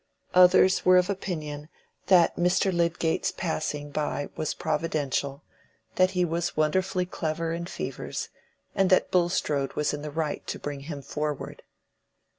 Others were of opinion that Mr. Lydgate's passing by was providential, that he was wonderfully clever in fevers, and that Bulstrode was in the right to bring him forward.